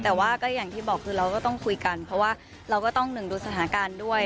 แต่ว่าก็อย่างที่บอกคือเราก็ต้องคุยกันเพราะว่าเราก็ต้องหนึ่งดูสถานการณ์ด้วย